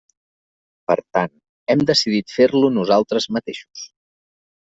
Per tant, hem decidit fer-lo nosaltres mateixos.